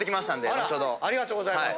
あらありがとうございます。